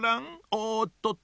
おっとっと